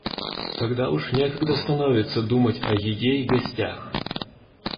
Тут уж некогда становится думать о еде и гостях.